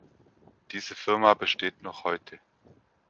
Diese Firma besteht noch heute.